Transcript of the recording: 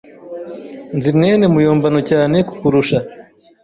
Nzi mwene muyombano cyane kukurusha.